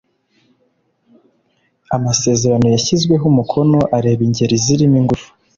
Amasezerano yashyizweho umukono areba ingeri zirimo ingufu